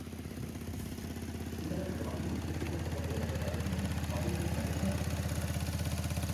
ঠিকাদারের জবাবদিহি নিশ্চিত করতে প্রকল্প এলাকায় কাজের বিবরণ-সংবলিত সাইনবোর্ড টাঙাতে হবে।